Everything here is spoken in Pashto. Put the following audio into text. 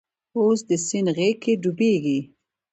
اوس د سیند غیږ کې ډوبیږې